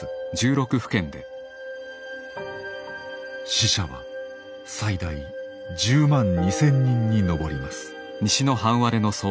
死者は最大１０万２，０００人に上ります。